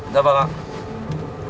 dạ vâng ạ